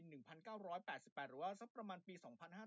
หรือว่าสักประมาณปี๒๕๕๙